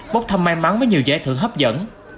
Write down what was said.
bốc thăm may mắn với nhiều giải thưởng hấp dẫn